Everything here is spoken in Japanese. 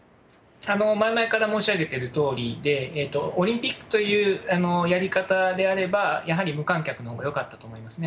前々から申し上げてるとおりで、オリンピックというやり方であれば、やはり無観客のほうがよかったと思いますね。